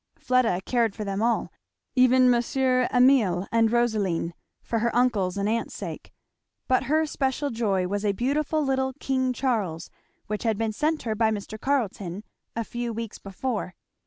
Fleda cared for them all, even Monsieur Emile and Rosaline, for her uncle's and aunt's sake; but her special joy was a beautiful little King Charles which had been sent her by Mr. Carleton a few weeks before.